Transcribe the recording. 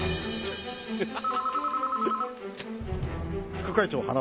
副会長塙。